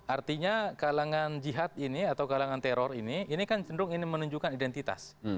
artinya kalangan jihad ini atau kalangan teror ini ini kan cenderung ini menunjukkan identitas